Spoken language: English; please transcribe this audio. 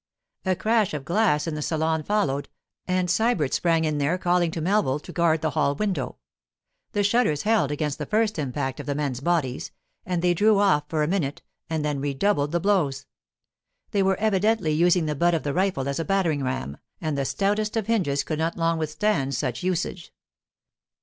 A crash of glass in the salon followed, and Sybert sprang in there, calling to Melville to guard the hall window. The shutters held against the first impact of the men's bodies, and they drew off for a minute and then redoubled the blows. They were evidently using the butt of the rifle as a battering ram, and the stoutest of hinges could not long withstand such usage.